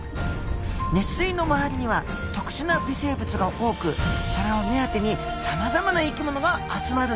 熱水の周りには特殊な微生物が多くそれを目当てにさまざまな生きものが集まるんです。